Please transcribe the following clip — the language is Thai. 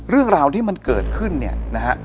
เรื่องราวที่มันเกิดขึ้นเนี่ยนะฮะ